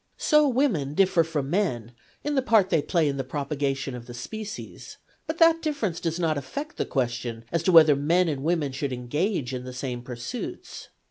So women differ from men in the part they play in the propagation of the species ; but that difference does not affect the question as to whether men and women should engage in the same pursuits.